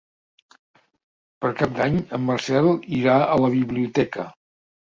Per Cap d'Any en Marcel irà a la biblioteca.